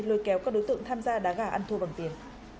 lôi kéo các đối tượng tham gia đá gà ăn thua bằng tiền